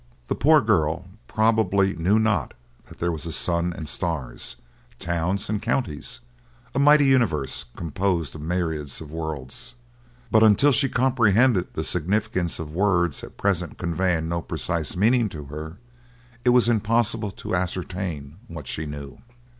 The poor girl probably knew not that there were a sun and stars, towns and counties, a mighty universe composed of myriads of worlds. But until she comprehended the significance of words at present conveying no precise meaning to her, it was impossible to ascertain what she knew.